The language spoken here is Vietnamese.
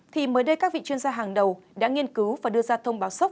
thì mới đây các vị chuyên gia hàng đầu đã nghiên cứu và đưa ra thông báo sốc